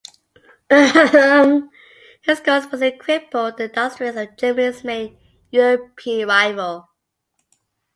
His goal was to cripple the industries of Germany's main European rival.